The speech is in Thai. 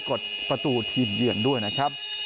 กดประตูทีมเยือนด้วยนะครับ